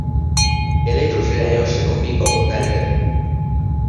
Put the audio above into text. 典礼主持人由史奴比狗狗担任。